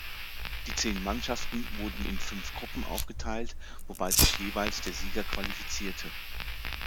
Die zehn Mannschaften wurden in fünf Gruppen aufgeteilt, wobei sich jeweils der Sieger qualifizierte.